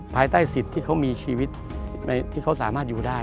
ภายใต้สิทธิ์ที่เขามีชีวิตที่เขาสามารถอยู่ได้